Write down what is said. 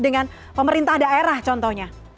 dengan pemerintah daerah contohnya